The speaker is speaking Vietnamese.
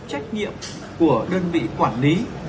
trách nhiệm của đơn vị quản lý